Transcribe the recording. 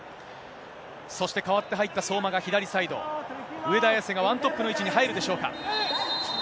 そして代わって入った相馬が左サイド、上田綺世がワントップの位置に入るでしょうか。